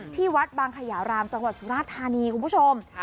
ที่วัดบางขยารามจังหวัดสุราชธานีคุณผู้ชม